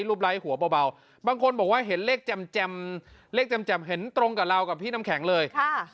ไลค์หัวเบาบางคนบอกว่าเห็นเลขแจ่มเลขแจ่มเห็นตรงกับเรากับพี่น้ำแข็งเลย